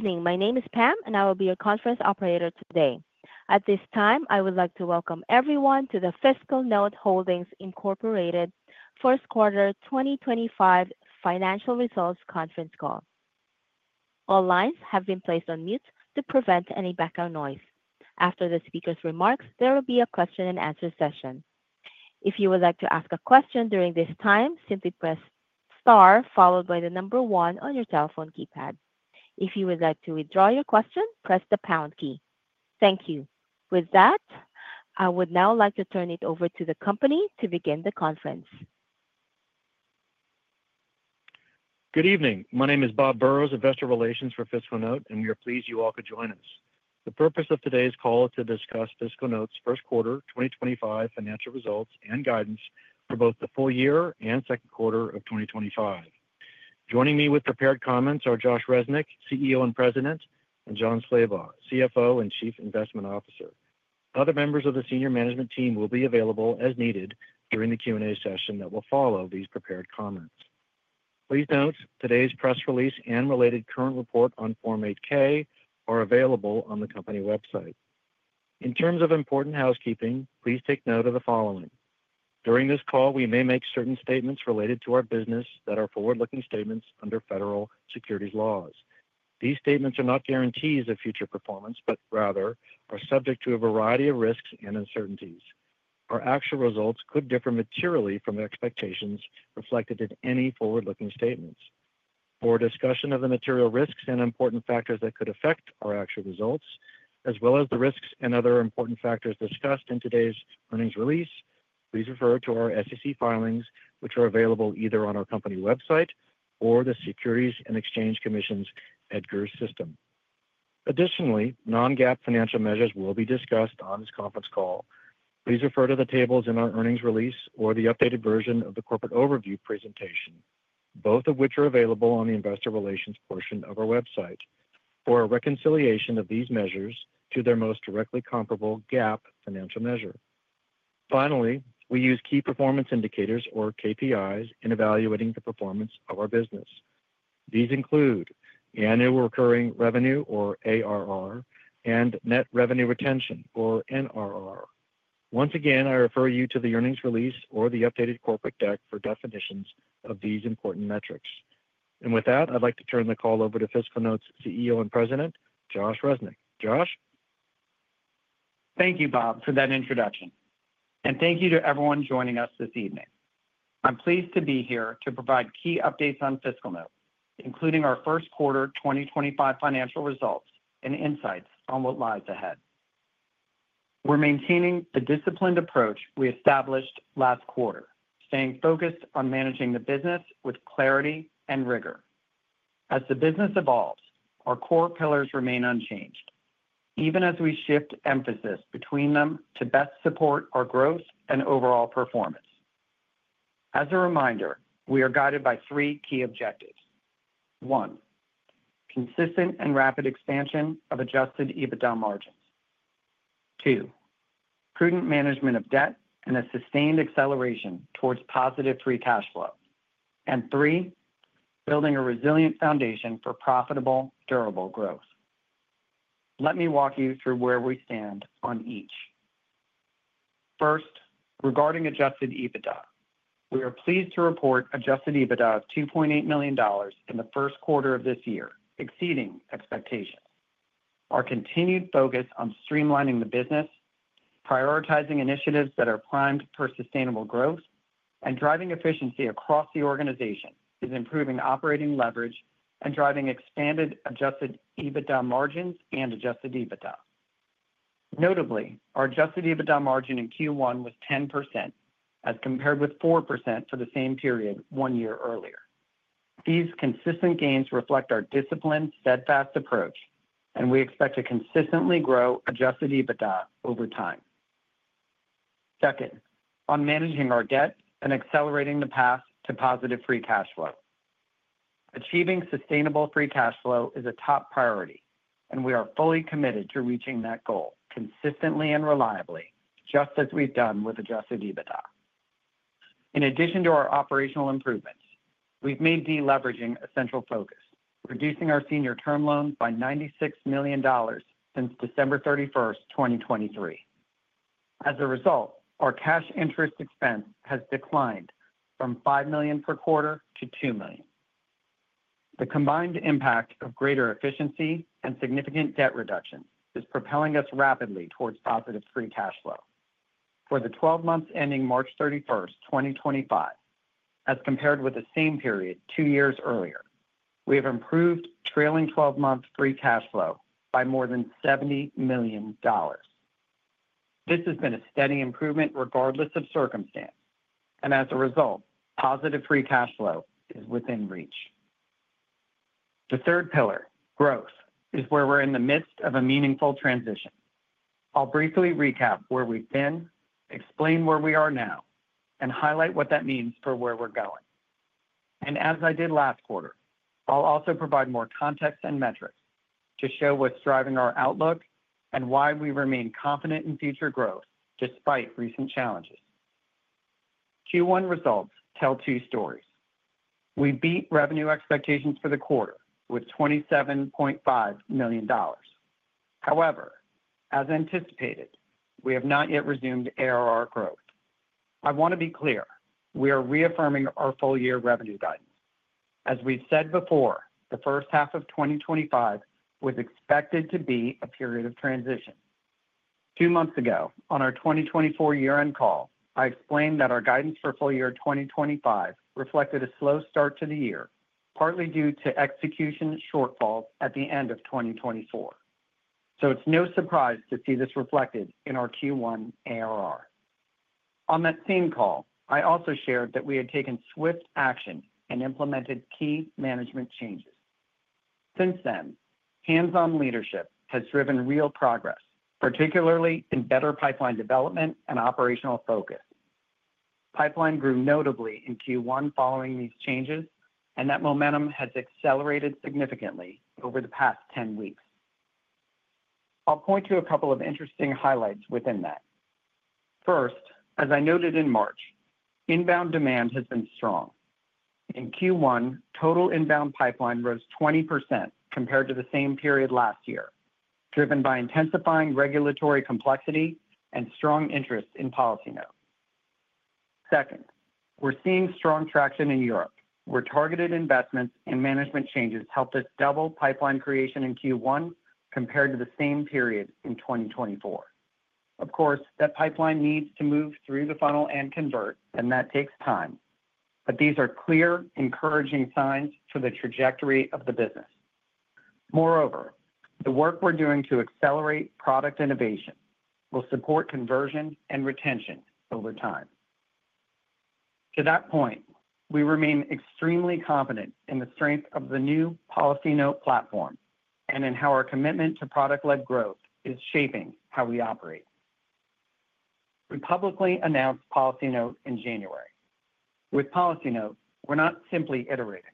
Evening. My name is Pam, and I will be your conference operator today. At this time, I would like to welcome everyone to the FiscalNote Holdings first quarter 2025 Financial Results conference call. All lines have been placed on mute to prevent any background noise. After the speaker's remarks, there will be a question-and-answer session. If you would like to ask a question during this time, simply press star followed by the number one on your telephone keypad. If you would like to withdraw your question, press the pound key. Thank you. With that, I would now like to turn it over to the company to begin the conference. Good evening. My name is Bob Burrows, Investor Relations for FiscalNote, and we are pleased you all could join us. The purpose of today's call is to discuss FiscalNote's first quarter 2025 financial results and guidance for both the full year and second quarter of 2025. Joining me with prepared comments are Josh Resnik, CEO and President, and Jon Slabaugh, CFO and Chief Investment Officer. Other members of the senior management team will be available as needed during the Q&A session that will follow these prepared comments. Please note today's press release and related current report on Form 8K are available on the company website. In terms of important housekeeping, please take note of the following. During this call, we may make certain statements related to our business that are forward-looking statements under federal securities laws. These statements are not guarantees of future performance, but rather are subject to a variety of risks and uncertainties. Our actual results could differ materially from expectations reflected in any forward-looking statements. For discussion of the material risks and important factors that could affect our actual results, as well as the risks and other important factors discussed in today's earnings release, please refer to our SEC filings, which are available either on our company website or the Securities and Exchange Commission's EDGAR system. Additionally, non-GAAP financial measures will be discussed on this conference call. Please refer to the tables in our earnings release or the updated version of the corporate overview presentation, both of which are available on the Investor Relations portion of our website for a reconciliation of these measures to their most directly comparable GAAP financial measure. Finally, we use key performance indicators, or KPIs, in evaluating the performance of our business. These include Annual Recurring Revenue, or ARR, and Net Revenue Retention, or NRR. Once again, I refer you to the earnings release or the updated corporate deck for definitions of these important metrics. With that, I'd like to turn the call over to FiscalNote's CEO and President, Josh Resnik. Josh? Thank you, Bob, for that introduction. Thank you to everyone joining us this evening. I'm pleased to be here to provide key updates on FiscalNote, including our first quarter 2025 financial results and insights on what lies ahead. We're maintaining the disciplined approach we established last quarter, staying focused on managing the business with clarity and rigor. As the business evolves, our core pillars remain unchanged, even as we shift emphasis between them to best support our growth and overall performance. As a reminder, we are guided by three key objectives. One, consistent and rapid expansion of adjusted EBITDA margins. Two, prudent management of debt and a sustained acceleration towards positive free cash flow. Three, building a resilient foundation for profitable, durable growth. Let me walk you through where we stand on each. First, regarding adjusted EBITDA, we are pleased to report adjusted EBITDA of $2.8 million in the first quarter of this year, exceeding expectations. Our continued focus on streamlining the business, prioritizing initiatives that are primed for sustainable growth, and driving efficiency across the organization is improving operating leverage and driving expanded adjusted EBITDA margins and adjusted EBITDA. Notably, our adjusted EBITDA margin in Q1 was 10% as compared with 4% for the same period one year earlier. These consistent gains reflect our disciplined, steadfast approach, and we expect to consistently grow adjusted EBITDA over time. Second, on managing our debt and accelerating the path to positive free cash flow. Achieving sustainable free cash flow is a top priority, and we are fully committed to reaching that goal consistently and reliably, just as we've done with adjusted EBITDA. In addition to our operational improvements, we've made deleveraging a central focus, reducing our senior term loans by $96 million since December 31, 2023. As a result, our cash interest expense has declined from $5 million per quarter to $2 million. The combined impact of greater efficiency and significant debt reduction is propelling us rapidly towards positive free cash flow. For the 12 months ending March 31, 2025, as compared with the same period two years earlier, we have improved trailing 12 months free cash flow by more than $70 million. This has been a steady improvement regardless of circumstance, and as a result, positive free cash flow is within reach. The third pillar, growth, is where we're in the midst of a meaningful transition. I'll briefly recap where we've been, explain where we are now, and highlight what that means for where we're going. As I did last quarter, I'll also provide more context and metrics to show what's driving our outlook and why we remain confident in future growth despite recent challenges. Q1 results tell two stories. We beat revenue expectations for the quarter with $27.5 million. However, as anticipated, we have not yet resumed ARR growth. I want to be clear, we are reaffirming our full-year revenue guidance. As we've said before, the first half of 2025 was expected to be a period of transition. Two months ago, on our 2024 year-end call, I explained that our guidance for full year 2025 reflected a slow start to the year, partly due to execution shortfalls at the end of 2024. It is no surprise to see this reflected in our Q1 ARR. On that same call, I also shared that we had taken swift action and implemented key management changes. Since then, hands-on leadership has driven real progress, particularly in better pipeline development and operational focus. Pipeline grew notably in Q1 following these changes, and that momentum has accelerated significantly over the past 10 weeks. I'll point to a couple of interesting highlights within that. First, as I noted in March, inbound demand has been strong. In Q1, total inbound pipeline rose 20% compared to the same period last year, driven by intensifying regulatory complexity and strong interest in PolicyNote. Second, we're seeing strong traction in Europe, where targeted investments and management changes helped us double pipeline creation in Q1 compared to the same period in 2024. Of course, that pipeline needs to move through the funnel and convert, and that takes time. These are clear, encouraging signs for the trajectory of the business. Moreover, the work we're doing to accelerate product innovation will support conversion and retention over time. To that point, we remain extremely confident in the strength of the new PolicyNote platform and in how our commitment to product-led growth is shaping how we operate. We publicly announced PolicyNote in January. With PolicyNote, we're not simply iterating.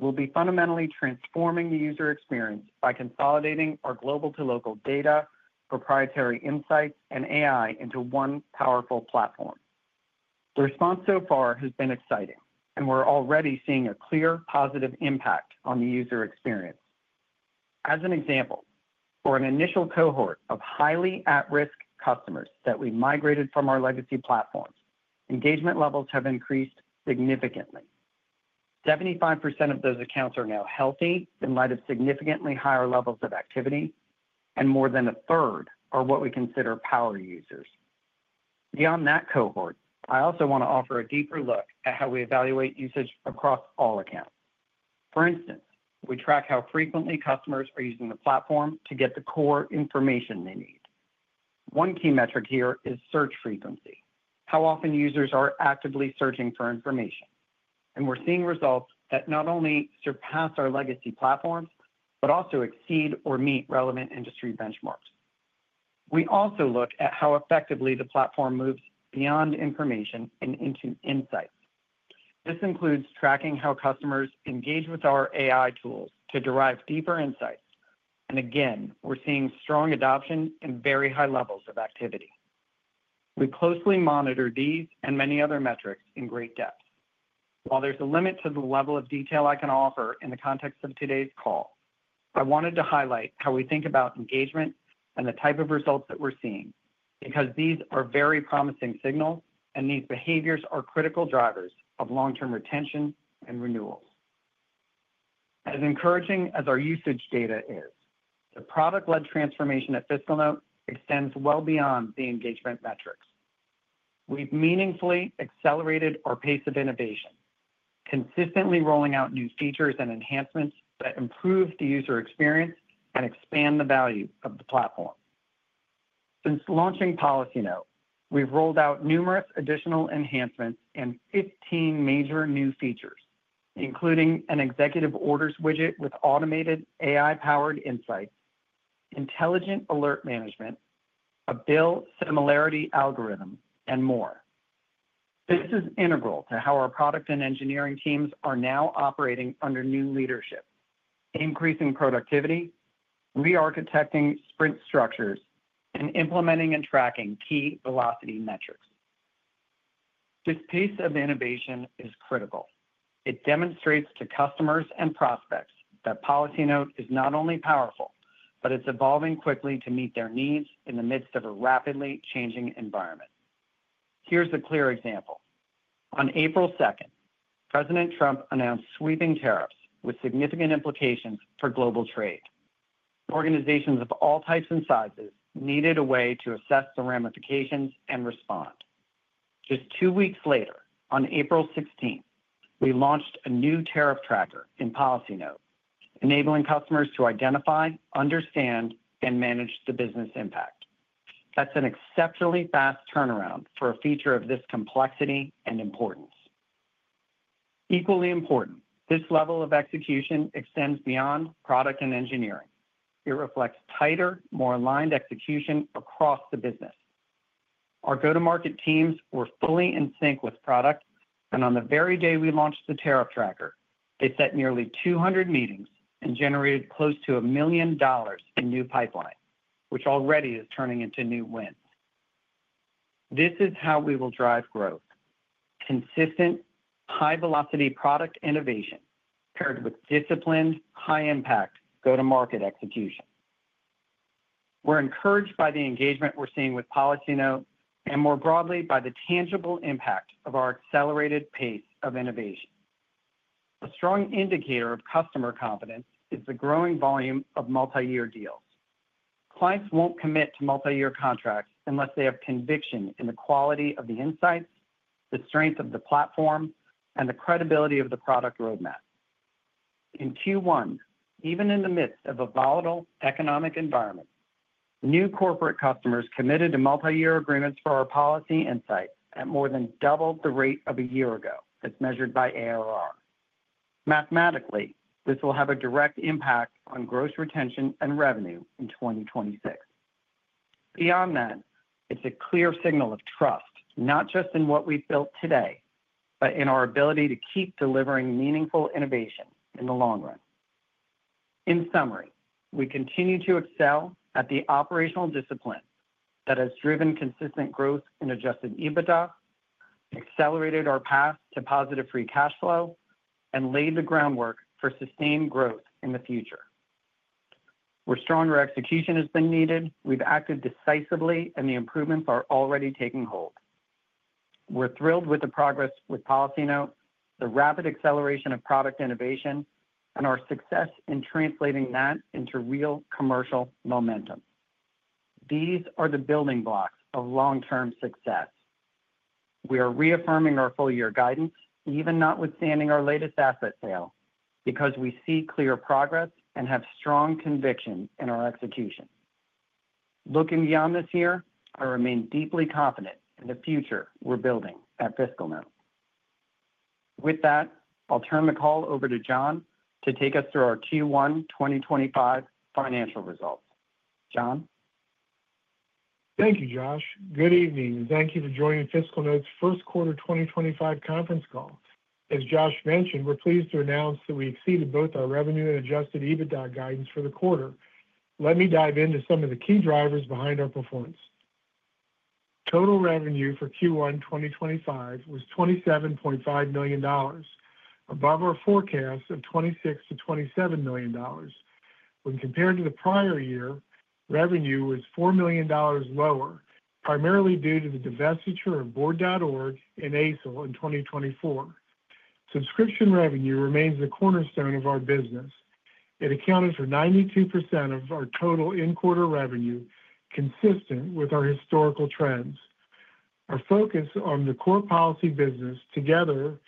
We'll be fundamentally transforming the user experience by consolidating our global to local data, proprietary insights, and AI into one powerful platform. The response so far has been exciting, and we're already seeing a clear positive impact on the user experience. As an example, for an initial cohort of highly at-risk customers that we migrated from our legacy platforms, engagement levels have increased significantly. 75% of those accounts are now healthy in light of significantly higher levels of activity, and more than a third are what we consider power users. Beyond that cohort, I also want to offer a deeper look at how we evaluate usage across all accounts. For instance, we track how frequently customers are using the platform to get the core information they need. One key metric here is search frequency, how often users are actively searching for information. We are seeing results that not only surpass our legacy platforms, but also exceed or meet relevant industry benchmarks. We also look at how effectively the platform moves beyond information and into insights. This includes tracking how customers engage with our AI tools to derive deeper insights. We are seeing strong adoption and very high levels of activity. We closely monitor these and many other metrics in great depth. While there's a limit to the level of detail I can offer in the context of today's call, I wanted to highlight how we think about engagement and the type of results that we're seeing because these are very promising signals, and these behaviors are critical drivers of long-term retention and renewals. As encouraging as our usage data is, the product-led transformation at FiscalNote extends well beyond the engagement metrics. We've meaningfully accelerated our pace of innovation, consistently rolling out new features and enhancements that improve the user experience and expand the value of the platform. Since launching PolicyNote, we've rolled out numerous additional enhancements and 15 major new features, including an executive orders widget with automated AI-powered insights, intelligent alert management, a bill similarity algorithm, and more. This is integral to how our product and engineering teams are now operating under new leadership, increasing productivity, re-architecting sprint structures, and implementing and tracking key velocity metrics. This piece of innovation is critical. It demonstrates to customers and prospects that PolicyNote is not only powerful, but it's evolving quickly to meet their needs in the midst of a rapidly changing environment. Here's a clear example. On April 2nd, President Trump announced sweeping tariffs with significant implications for global trade. Organizations of all types and sizes needed a way to assess the ramifications and respond. Just two weeks later, on April 16th, we launched a new Tariff Tracker in PolicyNote, enabling customers to identify, understand, and manage the business impact. That's an exceptionally fast turnaround for a feature of this complexity and importance. Equally important, this level of execution extends beyond product and engineering. It reflects tighter, more aligned execution across the business. Our go-to-market teams were fully in sync with product, and on the very day we launched the Tariff Tracker, they set nearly 200 meetings and generated close to $1 million in new pipeline, which already is turning into new wins. This is how we will drive growth: consistent, high-velocity product innovation paired with disciplined, high-impact go-to-market execution. We're encouraged by the engagement we're seeing with PolicyNote and, more broadly, by the tangible impact of our accelerated pace of innovation. A strong indicator of customer confidence is the growing volume of multi-year deals. Clients won't commit to multi-year contracts unless they have conviction in the quality of the insights, the strength of the platform, and the credibility of the product roadmap. In Q1, even in the midst of a volatile economic environment, new corporate customers committed to multi-year agreements for our policy insights at more than double the rate of a year ago as measured by ARR. Mathematically, this will have a direct impact on gross retention and revenue in 2026. Beyond that, it's a clear signal of trust, not just in what we've built today, but in our ability to keep delivering meaningful innovation in the long run. In summary, we continue to excel at the operational discipline that has driven consistent growth in adjusted EBITDA, accelerated our path to positive free cash flow, and laid the groundwork for sustained growth in the future. We're strong where execution has been needed. We've acted decisively, and the improvements are already taking hold. We're thrilled with the progress with PolicyNote, the rapid acceleration of product innovation, and our success in translating that into real commercial momentum. These are the building blocks of long-term success. We are reaffirming our full-year guidance, even notwithstanding our latest asset sale, because we see clear progress and have strong conviction in our execution. Looking beyond this year, I remain deeply confident in the future we're building at FiscalNote. With that, I'll turn the call over to Jon to take us through our Q1 2025 financial results. Jon? Thank you, Josh. Good evening, and thank you for joining FiscalNote's first quarter 2025 conference call. As Josh mentioned, we're pleased to announce that we exceeded both our revenue and adjusted EBITDA guidance for the quarter. Let me dive into some of the key drivers behind our performance. Total revenue for Q1 2025 was $27.5 million, above our forecast of $26 million-$27 million. When compared to the prior year, revenue was $4 million lower, primarily due to the divestiture of Board.org and ASIL in 2024. Subscription revenue remains the cornerstone of our business. It accounted for 92% of our total in-quarter revenue, consistent with our historical trends. Our focus on the core policy business, together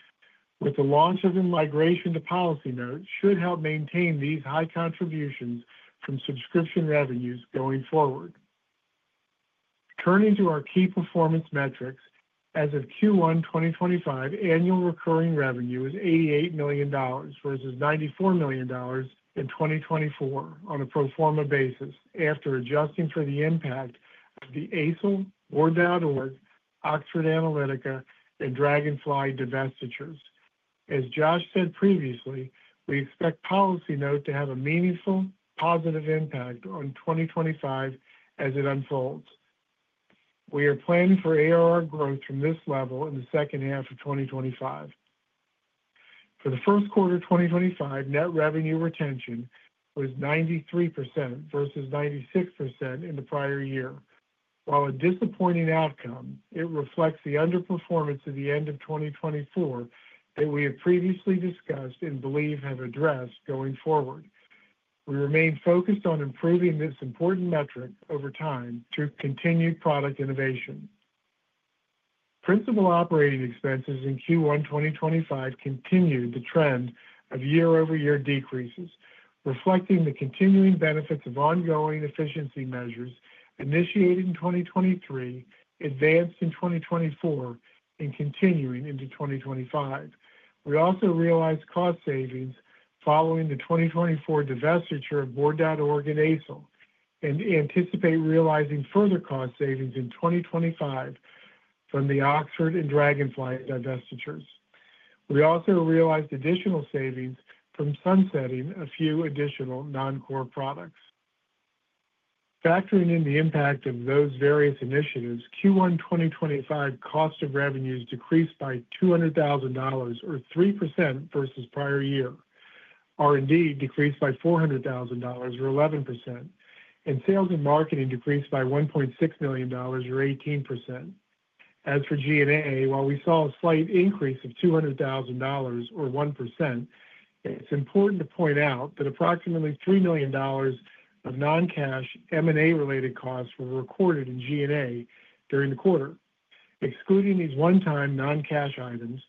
with the launch of a migration to PolicyNote, should help maintain these high contributions from subscription revenues going forward. Turning to our key performance metrics, as of Q1 2025, annual recurring revenue is $88 million versus $94 million in 2024 on a pro forma basis after adjusting for the impact of the ASIL, Board.org, Oxford Analytica, and Dragonfly divestitures. As Josh said previously, we expect PolicyNote to have a meaningful positive impact on 2025 as it unfolds. We are planning for ARR growth from this level in the second half of 2025. For the first quarter 2025, net revenue retention was 93% versus 96% in the prior year. While a disappointing outcome, it reflects the underperformance at the end of 2024 that we have previously discussed and believe have addressed going forward. We remain focused on improving this important metric over time through continued product innovation. Principal operating expenses in Q1 2025 continued the trend of year-over-year decreases, reflecting the continuing benefits of ongoing efficiency measures initiated in 2023, advanced in 2024, and continuing into 2025. We also realized cost savings following the 2024 divestiture of Board.org and ASIL and anticipate realizing further cost savings in 2025 from the Oxford and Dragonfly divestitures. We also realized additional savings from sunsetting a few additional non-core products. Factoring in the impact of those various initiatives, Q1 2025 cost of revenues decreased by $200,000 or 3% versus prior year. R&D decreased by $400,000 or 11%, and sales and marketing decreased by $1.6 million or 18%. As for G&A, while we saw a slight increase of $200,000 or 1%, it's important to point out that approximately $3 million of non-cash M&A-related costs were recorded in G&A during the quarter. Excluding these one-time non-cash items,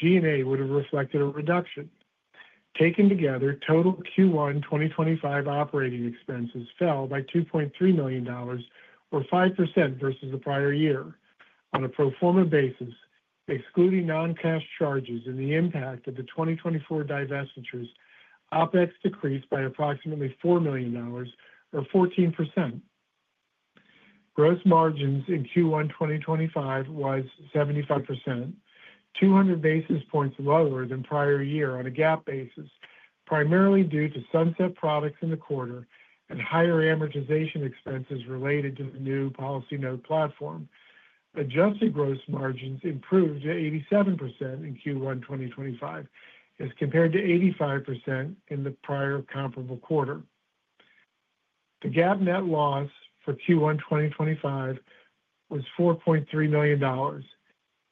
G&A would have reflected a reduction. Taken together, total Q1 2025 operating expenses fell by $2.3 million or 5% versus the prior year. On a pro forma basis, excluding non-cash charges and the impact of the 2024 divestitures, OPEX decreased by approximately $4 million or 14%. Gross margins in Q1 2025 was 75%, 200 basis points lower than prior year on a GAAP basis, primarily due to sunset products in the quarter and higher amortization expenses related to the new PolicyNote platform. Adjusted gross margins improved to 87% in Q1 2025, as compared to 85% in the prior comparable quarter. The GAAP net loss for Q1 2025 was $4.3 million,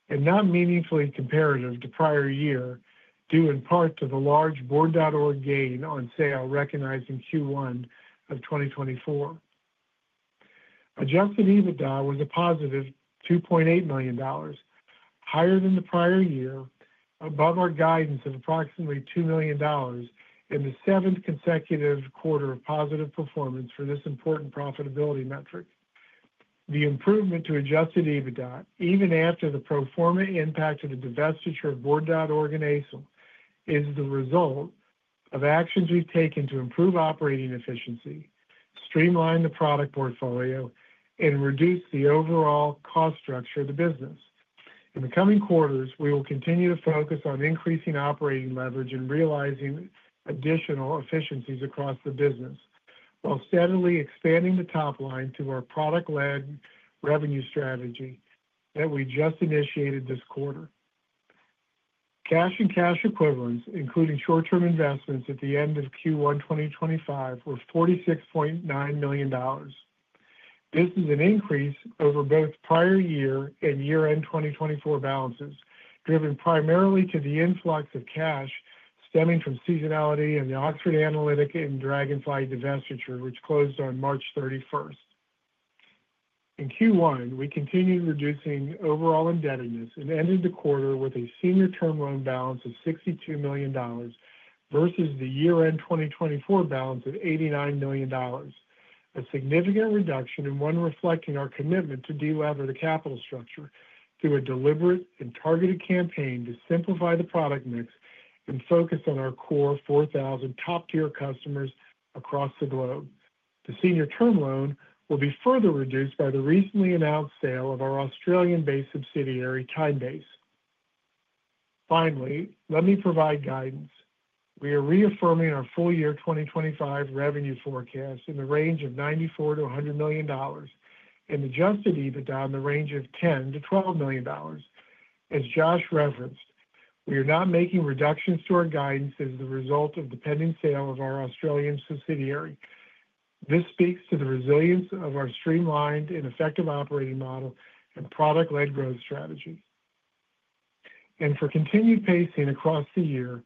and not meaningfully comparative to prior year, due in part to the large Board.org gain on sale recognized in Q1 of 2024. Adjusted EBITDA was a positive $2.8 million, higher than the prior year, above our guidance of approximately $2 million in the seventh consecutive quarter of positive performance for this important profitability metric. The improvement to adjusted EBITDA, even after the pro forma impact of the divestiture of Board.org and ASIL, is the result of actions we've taken to improve operating efficiency, streamline the product portfolio, and reduce the overall cost structure of the business. In the coming quarters, we will continue to focus on increasing operating leverage and realizing additional efficiencies across the business, while steadily expanding the top line through our product-led revenue strategy that we just initiated this quarter. Cash and cash equivalents, including short-term investments at the end of Q1 2025, were $46.9 million. This is an increase over both prior year and year-end 2024 balances, driven primarily by the influx of cash stemming from seasonality and the Oxford Analytica and Dragonfly divestiture, which closed on March 31. In Q1, we continued reducing overall indebtedness and ended the quarter with a senior term loan balance of $62 million versus the year-end 2024 balance of $89 million, a significant reduction and one reflecting our commitment to de-lever the capital structure through a deliberate and targeted campaign to simplify the product mix and focus on our core 4,000 top-tier customers across the globe. The senior term loan will be further reduced by the recently announced sale of our Australian-based subsidiary, TimeBase. Finally, let me provide guidance. We are reaffirming our full-year 2025 revenue forecast in the range of $94 million-$100 million and adjusted EBITDA in the range of $10 million-$12 million. As Josh referenced, we are not making reductions to our guidance as the result of the pending sale of our Australian subsidiary. This speaks to the resilience of our streamlined and effective operating model and product-led growth strategies. For continued pacing across the year,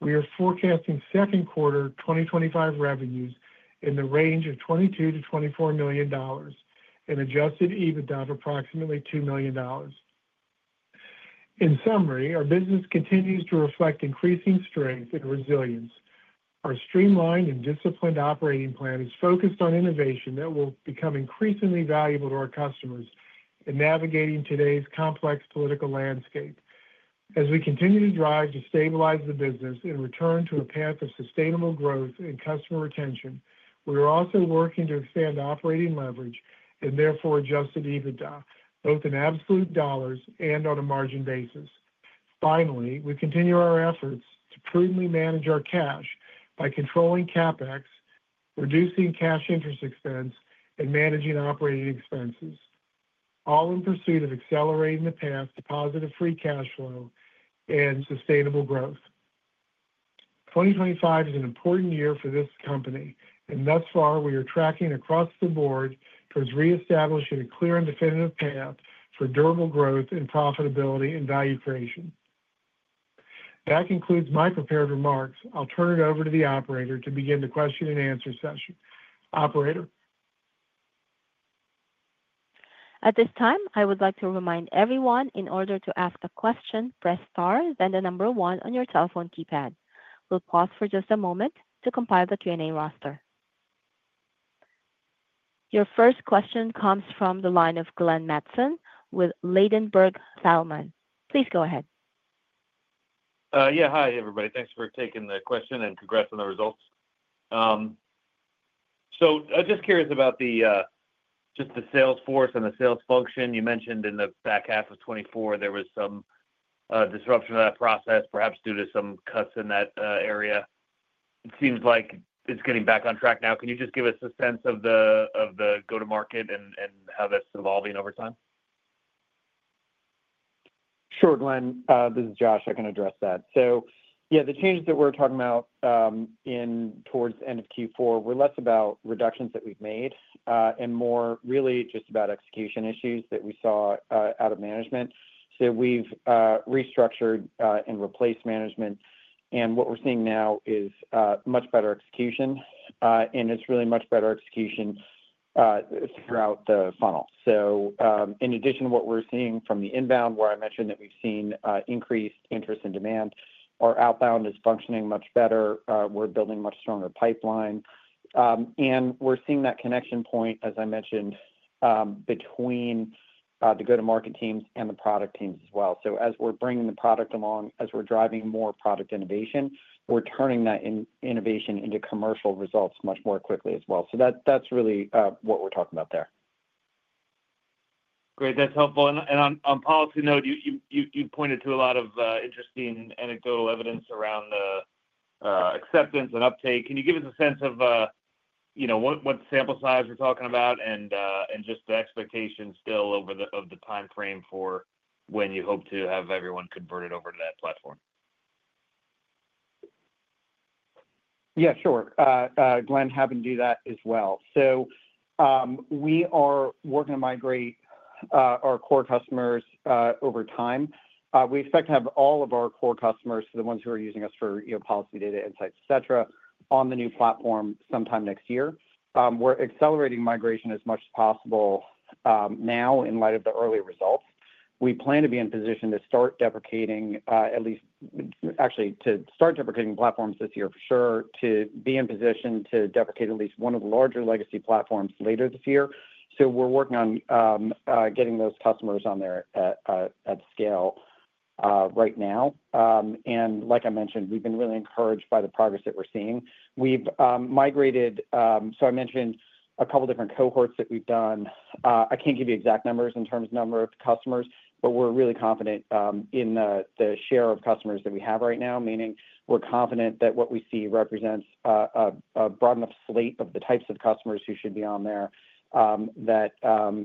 we are forecasting second quarter 2025 revenues in the range of $22 million-$24 million and adjusted EBITDA of approximately $2 million. In summary, our business continues to reflect increasing strength and resilience. Our streamlined and disciplined operating plan is focused on innovation that will become increasingly valuable to our customers in navigating today's complex political landscape. As we continue to drive to stabilize the business and return to a path of sustainable growth and customer retention, we are also working to expand operating leverage and therefore adjusted EBITDA, both in absolute dollars and on a margin basis. Finally, we continue our efforts to prudently manage our cash by controlling CapEx, reducing cash interest expense, and managing operating expenses, all in pursuit of accelerating the path to positive free cash flow and sustainable growth. 2025 is an important year for this company, and thus far, we are tracking across the board towards reestablishing a clear and definitive path for durable growth and profitability and value creation. That concludes my prepared remarks. I'll turn it over to the operator to begin the question and answer session. Operator. At this time, I would like to remind everyone, in order to ask a question, press star, then the number one on your telephone keypad. We'll pause for just a moment to compile the Q&A roster. Your first question comes from the line of Glenn Mattson with Ladenburg Thalmann. Please go ahead. Yeah, hi, everybody. Thanks for taking the question and congrats on the results. I'm just curious about the sales force and the sales function. You mentioned in the back half of 2024, there was some disruption of that process, perhaps due to some cuts in that area. It seems like it's getting back on track now. Can you give us a sense of the go-to-market and how that's evolving over time? Sure, Glenn. This is Josh. I can address that. The changes that we're talking about towards the end of Q4 were less about reductions that we've made and more really just about execution issues that we saw out of management. We've restructured and replaced management, and what we're seeing now is much better execution, and it's really much better execution throughout the funnel. In addition to what we're seeing from the inbound, where I mentioned that we've seen increased interest and demand, our outbound is functioning much better. We're building a much stronger pipeline, and we're seeing that connection point, as I mentioned, between the go-to-market teams and the product teams as well. As we're bringing the product along, as we're driving more product innovation, we're turning that innovation into commercial results much more quickly as well. That's really what we're talking about there. Great. That's helpful. On PolicyNote, you pointed to a lot of interesting anecdotal evidence around the acceptance and uptake. Can you give us a sense of what sample size we're talking about and just the expectation still of the timeframe for when you hope to have everyone converted over to that platform? Yeah, sure. Glenn, happy to do that as well. We are working to migrate our core customers over time. We expect to have all of our core customers, the ones who are using us for policy data, insights, etc., on the new platform sometime next year. We're accelerating migration as much as possible now in light of the early results. We plan to be in position to start deprecating, actually, to start deprecating platforms this year for sure, to be in position to deprecate at least one of the larger legacy platforms later this year. We are working on getting those customers on there at scale right now. Like I mentioned, we've been really encouraged by the progress that we're seeing. We've migrated, I mentioned a couple of different cohorts that we've done. I can't give you exact numbers in terms of number of customers, but we're really confident in the share of customers that we have right now, meaning we're confident that what we see represents a broad enough slate of the types of customers who should be on there, that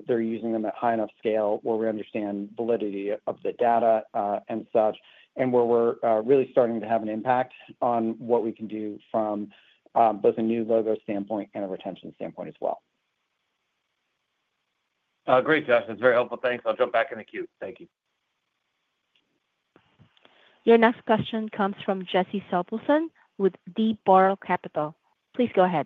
they're using them at high enough scale where we understand validity of the data and such, and where we're really starting to have an impact on what we can do from both a new logo standpoint and a retention standpoint as well. Great, Josh. That's very helpful. Thanks. I'll jump back in the queue. Thank you. Your next question comes from Jesse Sobelson with D. Boral Capital. Please go ahead.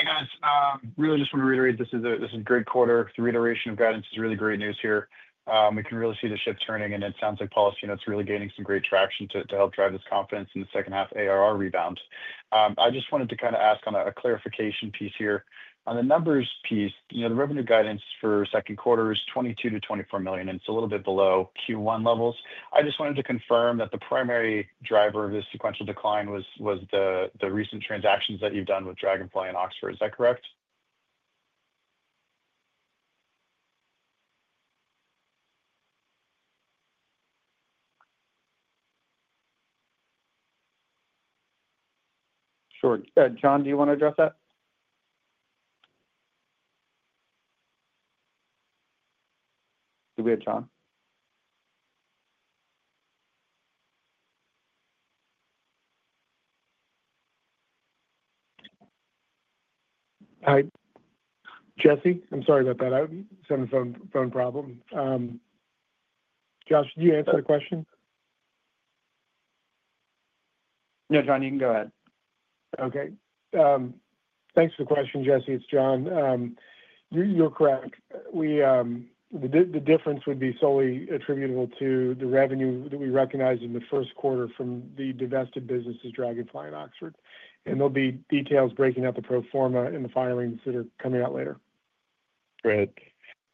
Hey, guys. Really just want to reiterate this is a great quarter. The reiteration of guidance is really great news here. We can really see the shift turning, and it sounds like policy notes are really gaining some great traction to help drive this confidence in the second-half ARR rebound. I just wanted to kind of ask on a clarification piece here. On the numbers piece, the revenue guidance for second quarter is $22 million-$24 million, and it's a little bit below Q1 levels. I just wanted to confirm that the primary driver of this sequential decline was the recent transactions that you've done with Dragonfly and Oxford. Is that correct? Sure. Jon, do you want to address that? Did we have Jon? Hi. Jesse, I'm sorry about that. I was having a phone problem. Josh, did you answer the question? No, Jon, you can go ahead. Okay. Thanks for the question, Jesse. It's Jon. You're correct. The difference would be solely attributable to the revenue that we recognized in the first quarter from the divested businesses, Dragonfly and Oxford Analytica, and there'll be details breaking out the pro forma and the firings that are coming out later. Great.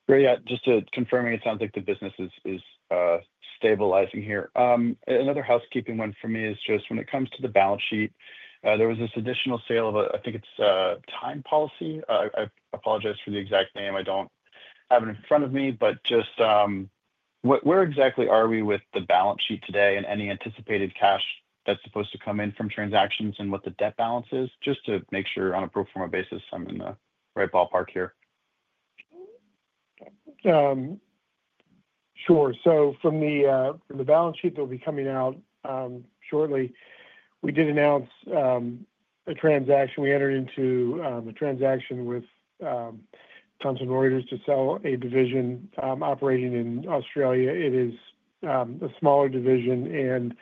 Great. Just confirming, it sounds like the business is stabilizing here. Another housekeeping one for me is just when it comes to the balance sheet, there was this additional sale of, I think it's TimeBase. I apologize for the exact name. I don't have it in front of me, but just where exactly are we with the balance sheet today and any anticipated cash that's supposed to come in from transactions and what the debt balance is, just to make sure on a pro forma basis I'm in the right ballpark here? Sure. From the balance sheet that will be coming out shortly, we did announce a transaction. We entered into a transaction with Thomson Reuters to sell a division operating in Australia. It is a smaller division, and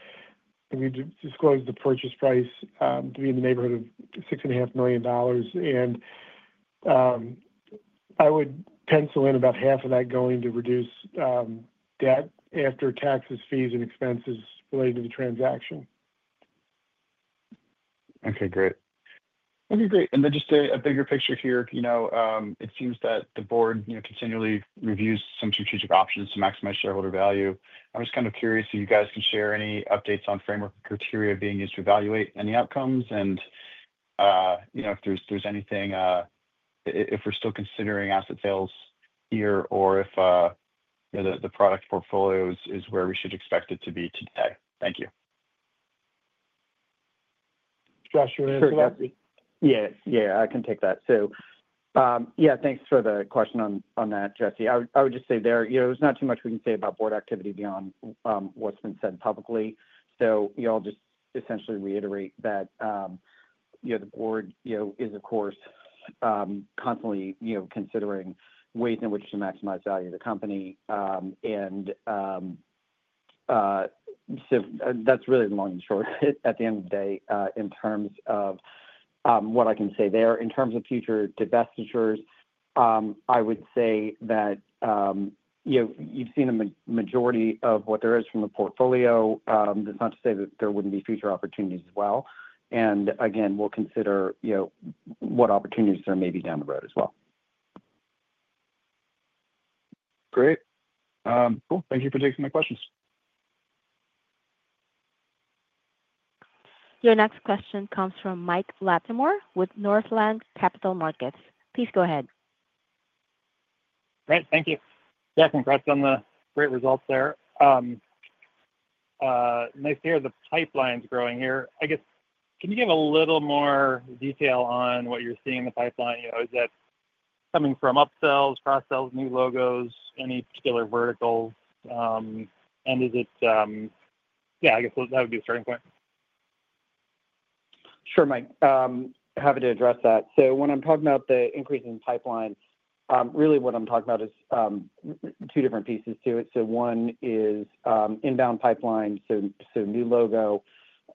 we disclosed the purchase price to be in the neighborhood of $6.5 million, and I would pencil in about half of that going to reduce debt after taxes, fees, and expenses related to the transaction. Okay. Great. Okay. Great. And then just a bigger picture here. It seems that the board continually reviews some strategic options to maximize shareholder value. I'm just kind of curious if you guys can share any updates on framework and criteria being used to evaluate any outcomes and if there's anything if we're still considering asset sales here or if the product portfolio is where we should expect it to be today. Thank you. Josh, you want to answer that? Yeah. Yeah. I can take that. So yeah, thanks for the question on that, Jesse. I would just say there's not too much we can say about board activity beyond what's been said publicly. I'll just essentially reiterate that the board is, of course, constantly considering ways in which to maximize value of the company. That's really the long and short at the end of the day in terms of what I can say there. In terms of future divestitures, I would say that you've seen a majority of what there is from the portfolio. That's not to say that there wouldn't be future opportunities as well. Again, we'll consider what opportunities there may be down the road as well. Great. Cool. Thank you for taking my questions. Your next question comes from Mike Latimore with Northland Capital Markets. Please go ahead. Great. Thank you. Yeah, congrats on the great results there. Nice to hear the pipeline's growing here. I guess, can you give a little more detail on what you're seeing in the pipeline? Is that coming from upsells, cross-sells, new logos, any particular verticals? I guess that would be a starting point. Sure, Mike. Happy to address that. When I'm talking about the increase in pipeline, really what I'm talking about is two different pieces to it. One is inbound pipeline, so new logo,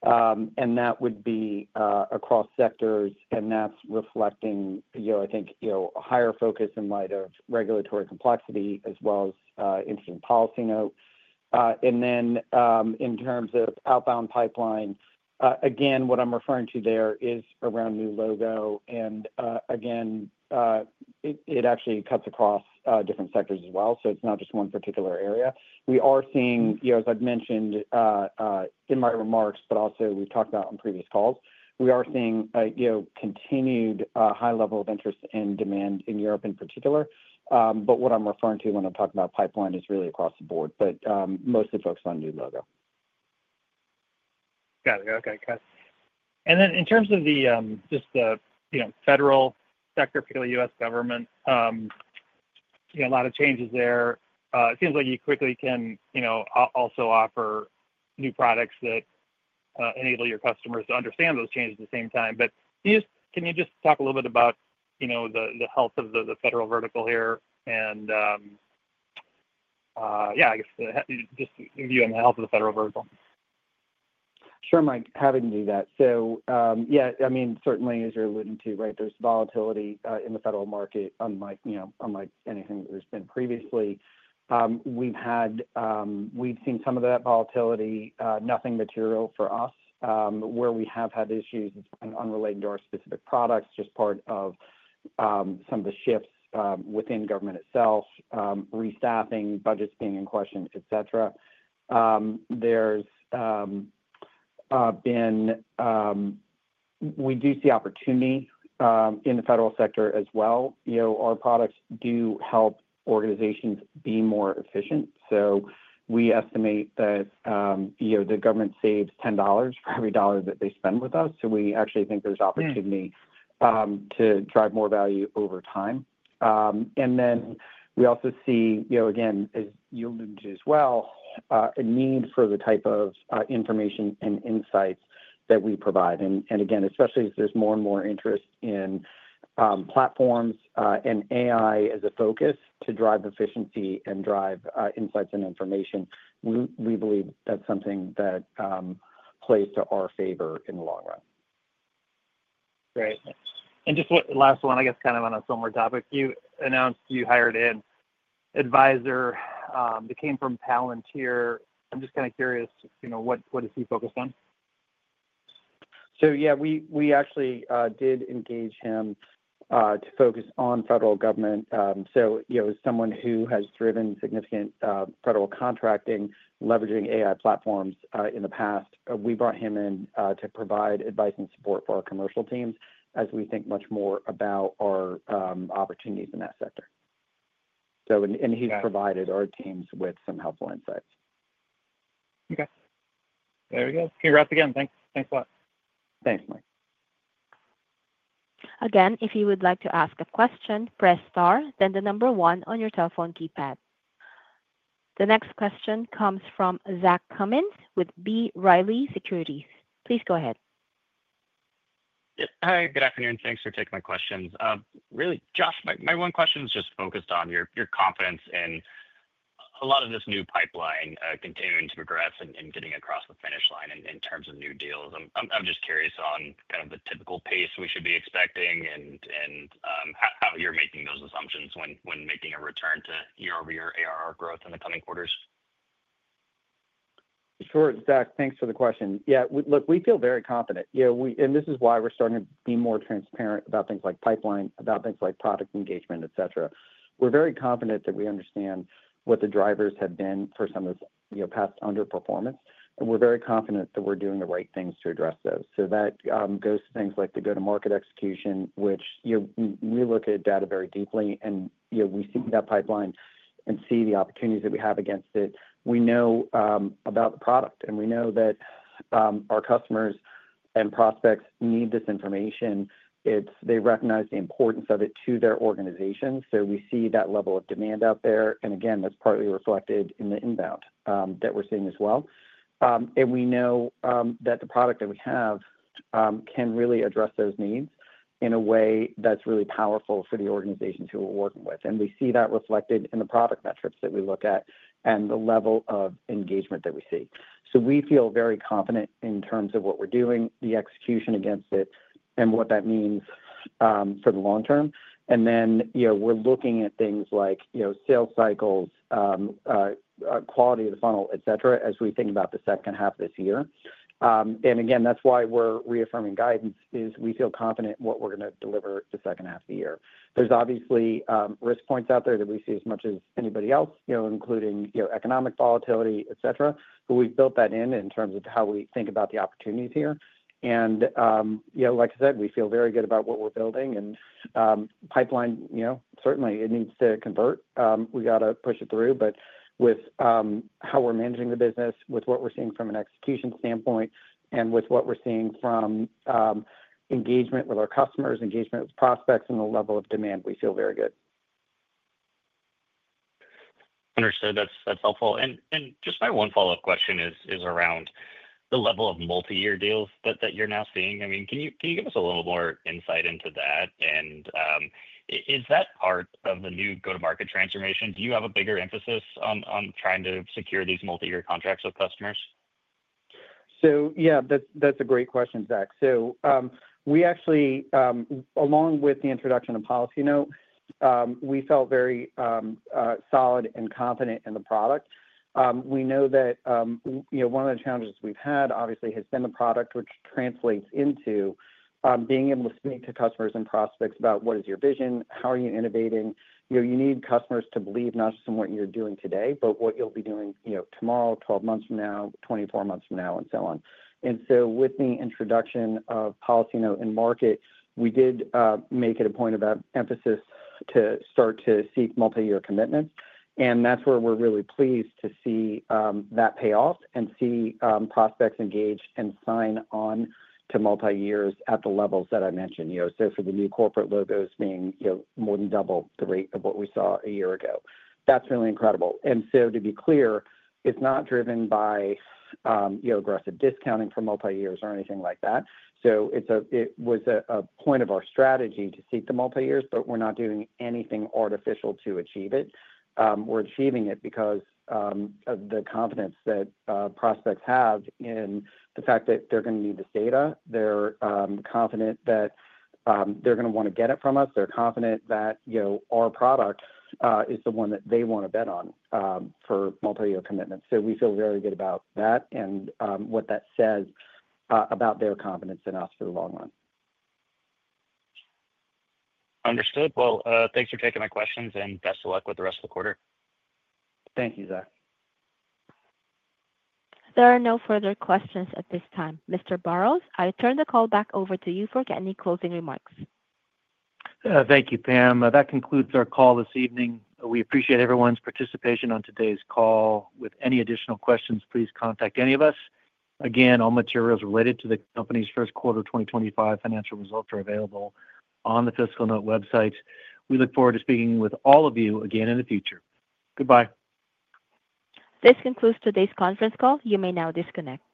and that would be across sectors, and that's reflecting, I think, a higher focus in light of regulatory complexity as well as interesting PolicyNote. In terms of outbound pipeline, what I'm referring to there is around new logo, and again, it actually cuts across different sectors as well. It is not just one particular area. We are seeing, as I have mentioned in my remarks, but also we have talked about on previous calls, we are seeing continued high level of interest and demand in Europe in particular. What I am referring to when I am talking about pipeline is really across the board, but mostly focused on new logo. Got it. Okay. Got it. In terms of just the federal sector, particularly U.S. government, a lot of changes there. It seems like you quickly can also offer new products that enable your customers to understand those changes at the same time. Can you just talk a little bit about the health of the federal vertical here? Yeah, I guess just viewing the health of the federal vertical. Sure, Mike. Happy to do that. Yeah, I mean, certainly, as you're alluding to, right, there's volatility in the federal market unlike anything that there's been previously. We've seen some of that volatility. Nothing material for us. Where we have had issues is unrelated to our specific products, just part of some of the shifts within government itself, restaffing, budgets being in question, etc. We do see opportunity in the federal sector as well. Our products do help organizations be more efficient. We estimate that the government saves $10 for every dollar that they spend with us. We actually think there's opportunity to drive more value over time. We also see, again, as you alluded to as well, a need for the type of information and insights that we provide. Again, especially as there is more and more interest in platforms and AI as a focus to drive efficiency and drive insights and information, we believe that is something that plays to our favor in the long run. Great. Just last one, I guess kind of on a similar topic. You announced you hired an advisor that came from Palantir. I am just kind of curious, what is he focused on? Yeah, we actually did engage him to focus on federal government. As someone who has driven significant federal contracting, leveraging AI platforms in the past, we brought him in to provide advice and support for our commercial teams as we think much more about our opportunities in that sector. He has provided our teams with some helpful insights. Okay. There we go. Congrats again. Thanks a lot. Thanks, Mike. Again, if you would like to ask a question, press star, then the number one on your telephone keypad. The next question comes from Zach Cummins with B. Riley Securities. Please go ahead. Hi. Good afternoon. Thanks for taking my questions. Really, Josh, my one question is just focused on your confidence in a lot of this new pipeline continuing to progress and getting across the finish line in terms of new deals. I'm just curious on kind of the typical pace we should be expecting and how you're making those assumptions when making a return to year-over-year ARR growth in the coming quarters. Sure. Zach, thanks for the question. Yeah. Look, we feel very confident. This is why we're starting to be more transparent about things like pipeline, about things like product engagement, etc. We're very confident that we understand what the drivers have been for some of this past underperformance, and we're very confident that we're doing the right things to address those. That goes to things like the go-to-market execution, which we look at data very deeply, and we see that pipeline and see the opportunities that we have against it. We know about the product, and we know that our customers and prospects need this information. They recognize the importance of it to their organization. We see that level of demand out there. Again, that's partly reflected in the inbound that we're seeing as well. We know that the product that we have can really address those needs in a way that's really powerful for the organizations who we're working with. We see that reflected in the product metrics that we look at and the level of engagement that we see. We feel very confident in terms of what we're doing, the execution against it, and what that means for the long term. We are looking at things like sales cycles, quality of the funnel, etc., as we think about the second half of this year. That is why we're reaffirming guidance, as we feel confident in what we're going to deliver the second half of the year. There are obviously risk points out there that we see as much as anybody else, including economic volatility, etc. We have built that in in terms of how we think about the opportunities here. Like I said, we feel very good about what we're building. Pipeline, certainly, it needs to convert. We got to push it through. With how we're managing the business, with what we're seeing from an execution standpoint, and with what we're seeing from engagement with our customers, engagement with prospects and the level of demand, we feel very good. Understood. That's helpful. My one follow-up question is around the level of multi-year deals that you're now seeing. I mean, can you give us a little more insight into that? Is that part of the new go-to-market transformation? Do you have a bigger emphasis on trying to secure these multi-year contracts with customers? Yeah, that's a great question, Zach. We actually, along with the introduction of PolicyNote, felt very solid and confident in the product. We know that one of the challenges we've had, obviously, has been the product, which translates into being able to speak to customers and prospects about what is your vision, how are you innovating. You need customers to believe not just in what you're doing today, but what you'll be doing tomorrow, 12 months from now, 24 months from now, and so on. With the introduction of PolicyNote and market, we did make it a point of emphasis to start to seek multi-year commitments. That is where we're really pleased to see that payoff and see prospects engaged and sign on to multi-years at the levels that I mentioned. For the new corporate logos being more than double the rate of what we saw a year ago, that's really incredible. To be clear, it's not driven by aggressive discounting for multi-years or anything like that. It was a point of our strategy to seek the multi-years, but we're not doing anything artificial to achieve it. We're achieving it because of the confidence that prospects have in the fact that they're going to need this data. They're confident that they're going to want to get it from us. They're confident that our product is the one that they want to bet on for multi-year commitments. We feel very good about that and what that says about their confidence in us for the long run. Understood. Thanks for taking my questions and best of luck with the rest of the quarter. Thank you, Zach. There are no further questions at this time. Mr. Burrows, I turn the call back over to you for any closing remarks. Thank you, Pam. That concludes our call this evening. We appreciate everyone's participation on today's call. With any additional questions, please contact any of us. Again, all materials related to the company's first quarter 2025 financial results are available on the FiscalNote website. We look forward to speaking with all of you again in the future. Goodbye. This concludes today's conference call. You may now disconnect.